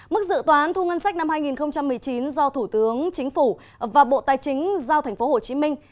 mức dự toán thu ngân sách năm hai nghìn một mươi chín do thủ tướng chính phủ và bộ tài chính giao thành phố hồ chí minh